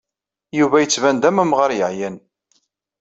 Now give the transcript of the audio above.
Yuba yettban-d am umɣar yeɛyan.